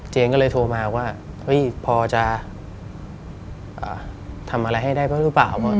ก็เลยโทรมาว่าพอจะทำอะไรให้ได้บ้างหรือเปล่า